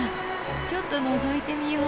ちょっとのぞいてみよう。